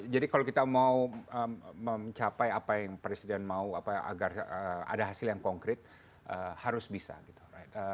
jadi kalau kita mau mencapai apa yang presiden mau agar ada hasil yang konkret harus bisa gitu